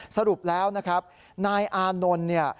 สรุปแล้วนะครับนายอานนท์เนี่ย